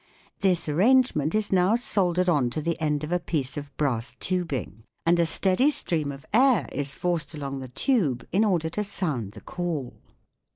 This arrangement is now soldered on to the end of a piece of brass tubing, and a steady stream of air is forced along the tube in order to sound the call.